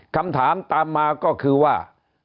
คำถามตามมาก็คือว่า